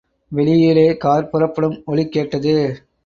வெளியிலே கார் புறப்படும் ஒலி கேட்டது.